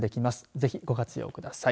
ぜひ、ご活用ください。